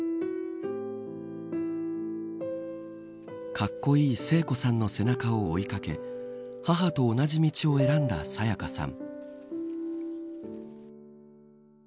かっこいい聖子さんの背中を追い掛け母と同じ道を選んだ沙也加さん。